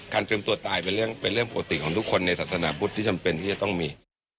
เตรียมตัวตายเป็นเรื่องปกติของทุกคนในศาสนาพุทธที่จำเป็นที่จะต้องมี